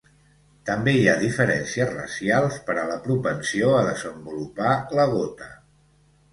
També hi ha diferències racials per a la propensió a desenvolupar la gota.